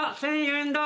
１，０００円だ。